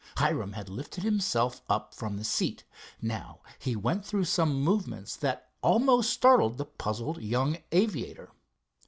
Hiram had lifted himself up from the seat. Now he went through some movements that almost startled the puzzled young aviator.